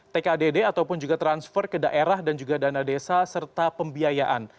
tkdd ataupun juga transfer ke daerah dan juga dana desa serta pembiayaan